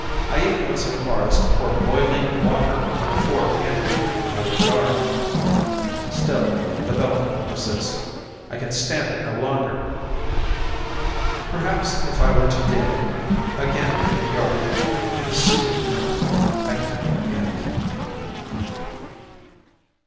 I even went so far as to pour boiling water on the four ant hills in my yard. Still ... the bell tone persists. I can stand it no longer! Perhaps if I were to dig ... again in the yard ... in the soothing earth, I could forget....